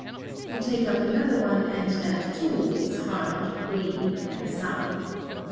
You take up another one, and that too is hard, green, and sour.